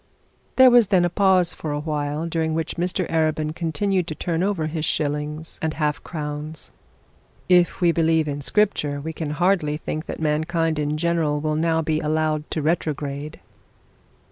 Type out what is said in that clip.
There was then a pause for a while, during which Mr Arabin continued to turn over his shillings and half crowns. 'If we believe in Scripture, we can hardly think that mankind in general will now be allowed to retrograde.'